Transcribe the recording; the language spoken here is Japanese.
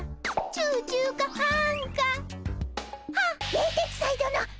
冷徹斎殿！